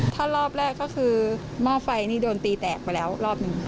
ถ้ารอบแรกก็คือหม้อไฟนี่โดนตีแตกไปแล้วรอบหนึ่ง